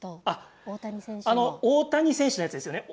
大谷選手のやつですよね。